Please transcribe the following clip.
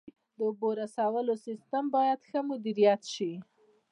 د اوبو رسولو سیستم باید ښه مدیریت شي.